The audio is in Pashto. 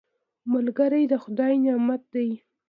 ملګری د خدای نعمت دی